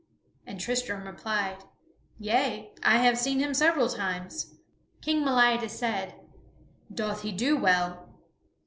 And Tristram replied, "Yea, I have seen him several times." King Meliadus said, "Doth he do well?"